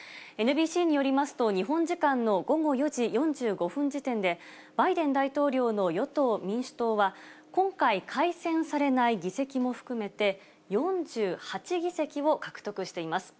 ＮＢＣによりますと、日本時間の午後４時４５分時点で、バイデン大統領の与党・民主党は、今回、改選されない議席も含めて、４８議席を獲得しています。